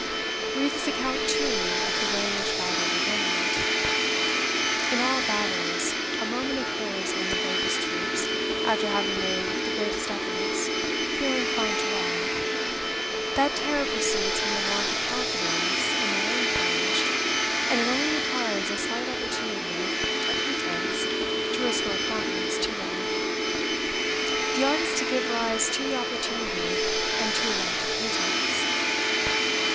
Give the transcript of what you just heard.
Read his account, too, of the way in which battles are gained. "In all battles, a moment occurs, when the bravest troops, after having made the greatest efforts, feel inclined to run. That terror proceeds from a want of confidence in their own courage; and it only requires a slight opportunity, a pretense, to restore confidence to them. The art is to give rise to the opportunity, and to invent the pretense.